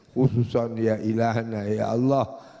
khususan ya ilahna ya allah